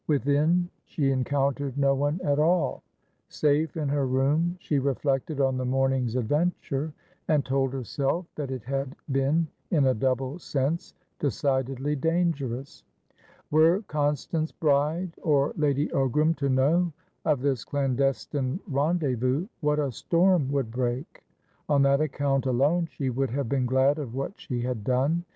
Within, she encountered no one at all. Safe in her room, she reflected on the morning's adventure, and told herself that it had been, in a double sense, decidedly dangerous. Were Constance Bride or Lady Ogram to know of this clandestine rendezvous, what a storm would break! On that account alone she would have been glad of what she had done.